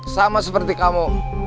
sama seperti kamu